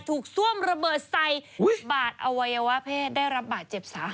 ซ่วมระเบิดใส่บาดอวัยวะเพศได้รับบาดเจ็บสาหัส